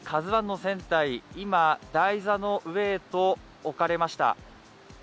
「ＫＡＺＵⅠ」の船体、今、台座の上へと置かれました。